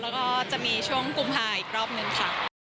แล้วก็จะมีช่วงกุมภาอีกรอบนึงค่ะ